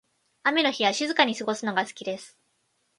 雨の日は静かに過ごすのが好きです。